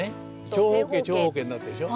長方形長方形になってるでしょ。